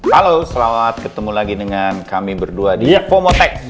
halo selamat ketemu lagi dengan kami berdua di ya comotech